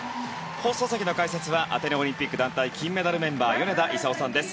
放送席の解説はアテネオリンピック団体金メダルメンバー米田功さんです。